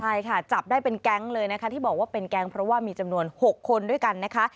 ใช่ค่ะจับได้เป็นแก๊งเลยนะคะที่บอกว่าเป็นแก๊งเพราะว่ามีจำนวน๖คนด้วยกันนะคะ